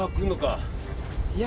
いや。